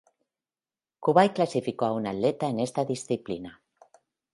Kuwait clasificó a un atleta en esta disciplina.